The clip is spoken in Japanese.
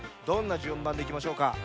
どんなじゅんばんでいきましょうか？